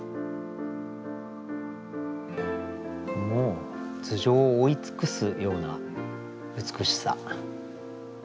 もう頭上を覆い尽くすような美しさ。